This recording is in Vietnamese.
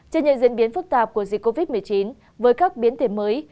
trên những diễn biến phức tạp của dịch covid một mươi chín với các biến thể mới